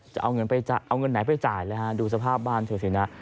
จะเอาเงินไหนไปจ่ายเลยฮะดูสภาพบ้านเถอะสินะ